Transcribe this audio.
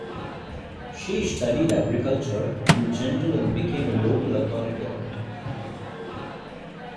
She studied agriculture in general and became a local authority on it.